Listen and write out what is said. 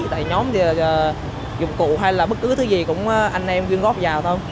tại nhóm thì dụng cụ hay là bất cứ thứ gì cũng anh em ghiên góp vào thôi